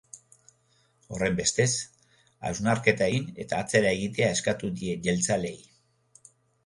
Horrenbestez, hausnarketa egin eta atzera egitea eskatu die jeltzaleei.